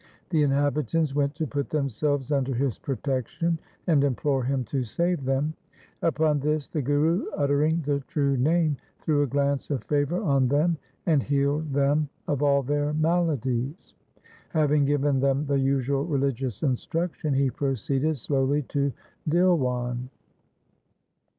The inhabitants went to put themselves under his protection and implore him to save them. Upon this the Guru uttering the true Name, threw a glance of favour on them and healed them of all their maladies. Having given them the usual religious instruction he proceeded slowly to Dhilwan.